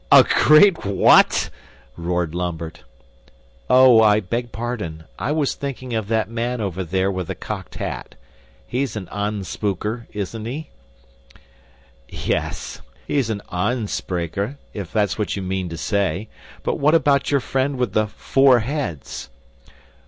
"A great WHAT?" roared Lambert. "Oh, I beg pardon. I was thinking of that man over there with the cocked hat. He's an anspewker, isn't he?" "Yes. He's an aanspreeker, if that is what you mean to say. But what about your friend with the four heads?"